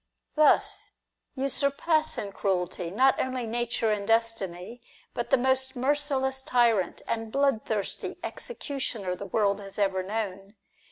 Thus, you surpass in cruelty, not only Nature and Destiny, but the most merciless tyrant and bloodthirsty executioner the world has ever known.